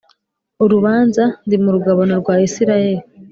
urubanza ndi mu rugabano rwa Isirayeli